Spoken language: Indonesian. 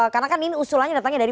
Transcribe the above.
karena kan ini usulannya datangnya dari